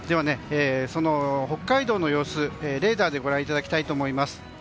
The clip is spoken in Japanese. その北海道の様子を、レーダーでご覧いただきたいと思います。